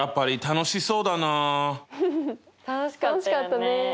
楽しかったね。